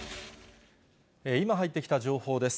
今入ってきた情報です。